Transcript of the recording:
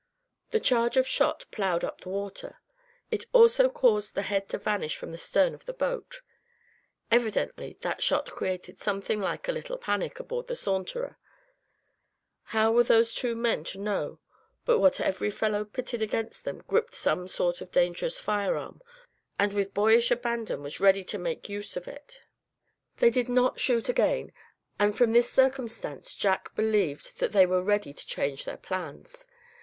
The charge of shot ploughed up the water. It also caused the head to vanish from the stern of the boat. Evidently that shot created something like a little panic aboard the Saunterer. How were those two men to know but what every fellow pitted against them gripped some sort of dangerous firearm, and with boyish abandon was ready to make use of it? They did not shoot again, and from this circumstance Jack believed that they were ready to change their plans.